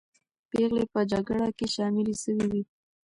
پېغلې به په جګړه کې شاملې سوې وي.